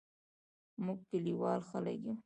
موږ کلیوال خلګ یو